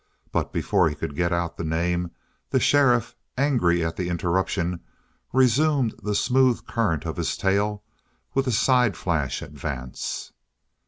But before he could get out the name, the sheriff, angry at the interruption, resumed the smooth current of his tale with a side flash at Vance.